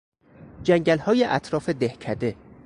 جنگلهای اطراف دهکده